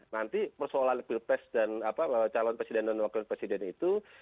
nanti persoalan pilpres dan calon presiden dan wakil presiden itu